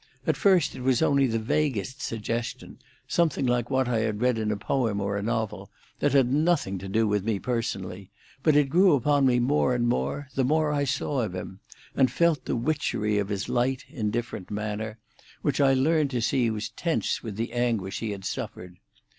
At first it was only the vaguest suggestion—something like what I had read in a poem or a novel—that had nothing to do with me personally, but it grew upon me more and more the more I saw of him, and felt the witchery of his light, indifferent manner, which I learned to see was tense with the anguish he had suffered.